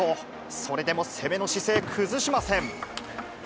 それでも攻めの姿勢、崩しません。